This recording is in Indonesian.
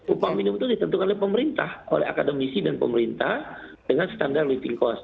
upah minimum itu ditentukan oleh pemerintah oleh akademisi dan pemerintah dengan standar living cost